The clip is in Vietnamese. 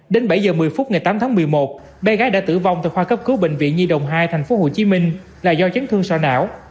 đến bảy giờ một mươi phút ngày tám tháng một mươi một bé gái đã tử vong từ khoa cấp cứu bệnh viện nhi đồng hai tp hcm là do chấn thương sò não